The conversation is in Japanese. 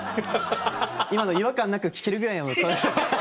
今の違和感なく聞けるぐらいもう。